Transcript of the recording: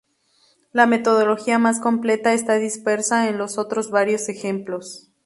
La metodología más completa está dispersa en los otros varios ejemplos.